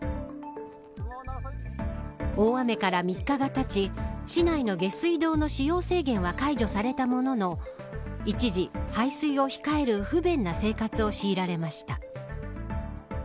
大雨から３日がたち市内の下水道の使用制限は解除されたものの一時、排水を控える不便な生活を強いられました。